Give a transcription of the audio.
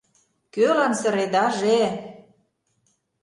Кӧлан сыредаже?!